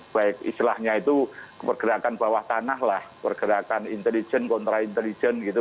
baik istilahnya itu pergerakan bawah tanah lah pergerakan intelijen kontra intelijen gitu